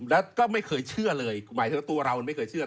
แล้วก็ไม่เคยเชื่อเลยหมายถึงว่าตัวเรามันไม่เคยเชื่อ